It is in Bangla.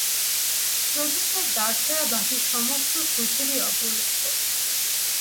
প্রবেশের দ্বার ছাড়া বাকি সমস্ত কুঠরি অবরুদ্ধ।